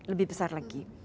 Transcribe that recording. lebih besar lagi